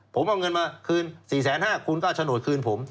ผมเอาเงินมาคืน๔แสน๕คุณก็ชะโนธคืนผม